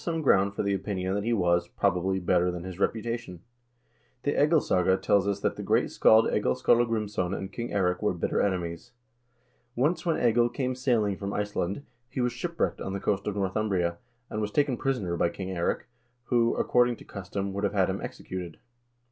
i — M 162 HISTORY OF THE NORWEGIAN PEOPLE ground for the opinion that he was, probably, better than his reputa tion. The "Egilssaga" tells us that the great scald Egil Skalla grimsson and King Eirik were bitter enemies. Once when Egil came sailing from Iceland, he was shipwrecked on the coast of North umbria, and was taken prisoner by King Eirik, who, according to custom, would have had him executed.